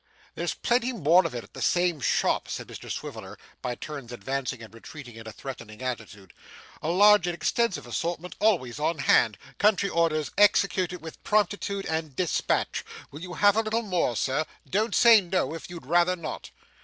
'There's plenty more of it at the same shop,' said Mr Swiveller, by turns advancing and retreating in a threatening attitude, 'a large and extensive assortment always on hand country orders executed with promptitude and despatch will you have a little more, Sir don't say no, if you'd rather not.